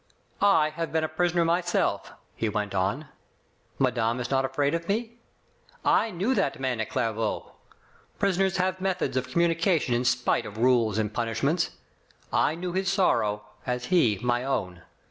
"I have been a prisoner myself/* he went on; "madame is not afraid of me? I knew that man at Clairvaux. Prisoners have methods of com munication in spite of rules and punishments. I knew his sorrow as he my own.